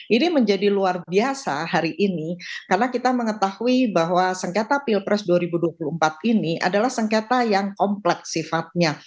ini menjadi luar biasa hari ini karena kita mengetahui bahwa sengketa pilpres dua ribu dua puluh empat ini adalah sengketa yang kompleks sifatnya